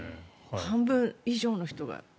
半分以上の人が。